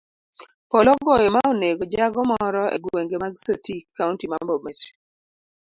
Polo ogoyo ma onego jago moro egwenge mag sotik, kaunti ma bomet .